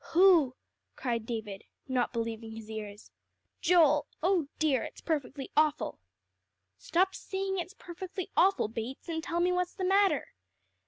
"Who?" cried David, not believing his ears. "Joel oh dear! it's perfectly awful!" "Stop saying it's perfectly awful, Bates, and tell me what's the matter."